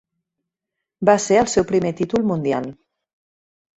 Va ser el seu primer títol mundial.